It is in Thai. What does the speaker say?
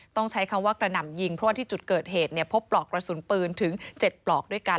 ต้องใช้คำว่ากระหน่ำยิงเพราะว่าที่จุดเกิดเหตุพบปลอกกระสุนปืนถึง๗ปลอกด้วยกัน